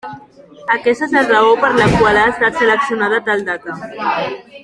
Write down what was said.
Aquesta és la raó per la qual ha estat seleccionada tal data.